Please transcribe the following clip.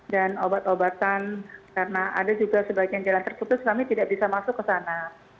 dan obat obatan karena ada juga sebagian jalan tertutup kami tidak bisa masuk ke sana